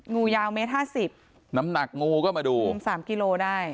งูยาวเมตร๕๐น้ำหนักงูก็มาดู๓กิโลได้